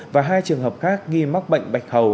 và hai trường hợp khác nghi mắc bệnh bạch hầu